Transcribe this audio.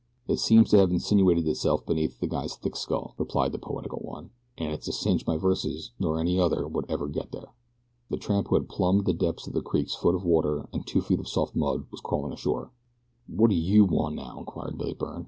"It seems to have insinuated itself beneath this guy's thick skull," replied the poetical one, "and it's a cinch my verses, nor any other would ever get there." The tramp who had plumbed the depths of the creek's foot of water and two feet of soft mud was crawling ashore. "Whadda YOU want now?" inquired Billy Byrne.